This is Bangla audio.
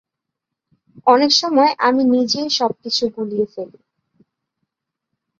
অনেক সময় আমি নিজেই সবকিছু গুলিয়ে ফেলি।